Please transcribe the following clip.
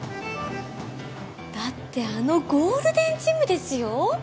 だってあのゴールデンジムですよ？